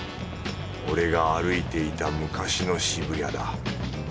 俺が歩いていた昔の渋谷だ。